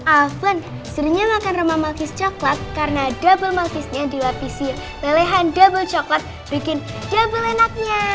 alvan seringnya makan roma maluk coklat karena double maluk kisnya dilapisi lelehan double coklat bikin double enaknya